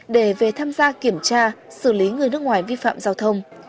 để về tham gia kiểm tra xử lý người nước ngoài vi phạm giao thông